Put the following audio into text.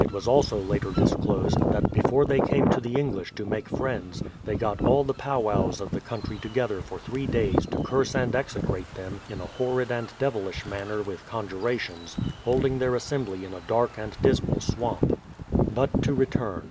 It was also later disclosed, that before they came to the English to make friends, they got all the Powows of the country together for three days to curse and execrate them in a horrid and devilish manner with conjurations, holding their assembly in a dark and dismal swamp. But to return.